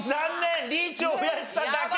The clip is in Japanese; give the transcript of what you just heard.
リーチを増やしただけ。